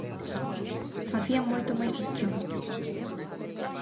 Facían moito máis estrondo.